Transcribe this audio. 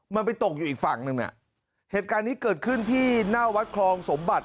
มันไปตกอยู่อีกฝั่งหนึ่งน่ะเหตุการณ์นี้เกิดขึ้นที่หน้าวัดคลองสมบัติ